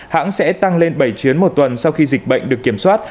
hãng sẽ tăng lên bảy chuyến một tuần sau khi dịch bệnh được kiểm soát